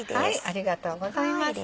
ありがとうございます。